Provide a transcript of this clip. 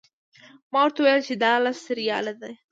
ما ورته وویل چې دا لس ریاله دي.